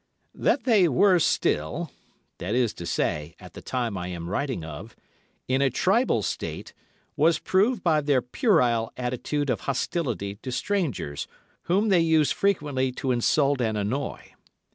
That they were still—that is to say, at the time I am writing of—in a tribal state was proved by their puerile attitude of hostility to strangers, whom they used frequently to insult and annoy.